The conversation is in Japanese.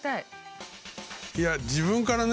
いや自分からね